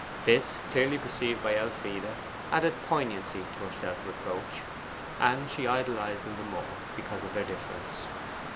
This, clearly perceived by Elfride, added poignancy to her self reproach, and she idolized him the more because of their difference.